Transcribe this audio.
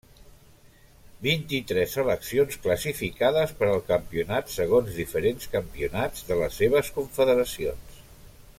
Vint-i-tres seleccions classificades per al campionat segons diferents campionats de les seves confederacions.